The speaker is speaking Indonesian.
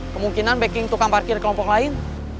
kemungkinan backing tukang parkir kelompok lain